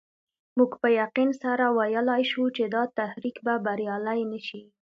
موږ په یقین سره ویلای شو چې دا تحریک به بریالی نه شي.